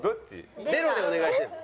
「出ろ」でお願いしてるの？